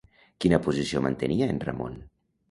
Quina posició mantenia en Ramon?